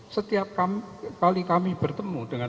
setiap kali kami bertemu dengan